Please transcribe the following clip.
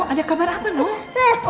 siting mereka cuidado